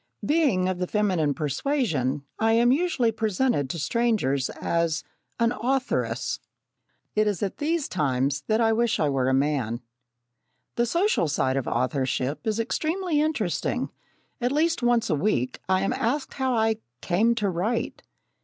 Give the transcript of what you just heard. Being of the feminine persuasion, I am usually presented to strangers as "an authoress." It is at these times that I wish I were a man. The social side of authorship is extremely interesting. At least once a week, I am asked how I "came to write."